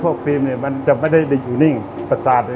สวัสดีครับผมชื่อสามารถชานุบาลชื่อเล่นว่าขิงถ่ายหนังสุ่นแห่ง